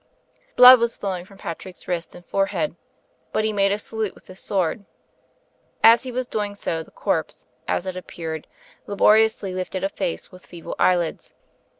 Blood was flowing from Patrick's wrist and forehead, but he made a salute with his sword. As he was doing so, the corpse, as it appeared, laboriously lifted a face, with feeble eyelids.